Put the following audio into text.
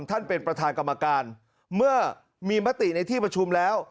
ท่านประธานเป็นประธานกรรมการเมื่อมีมติในที่ประชุมแล้ว